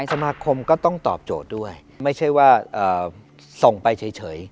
สมาคมก็ต้องตอบโจทย์ด้วยไม่ใช่ว่าส่งไปเฉย